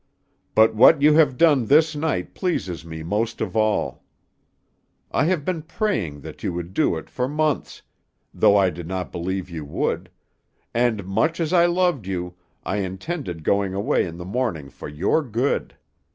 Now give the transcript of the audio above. But what you have done this night pleases me most of all. I have been praying that you would do it for months, though I did not believe you would, and, much as I loved you, I intended going away in the morning for your good.